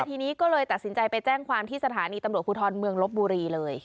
ทีนี้ก็เลยตัดสินใจไปแจ้งความที่สถานีตำรวจภูทรเมืองลบบุรีเลย